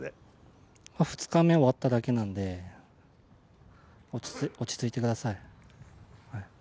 ２日目終わっただけなんで、落ち着いてください。